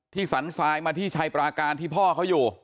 สันทรายมาที่ชัยปราการที่พ่อเขาอยู่